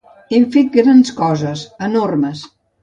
Hem fet grans coses, enormes.